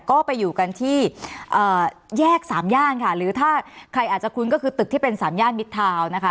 ก็ไปอยู่กันที่แยกสามย่านค่ะหรือถ้าใครอาจจะคุ้นก็คือตึกที่เป็นสามย่านมิดทาวน์นะคะ